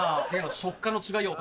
食感の違いを。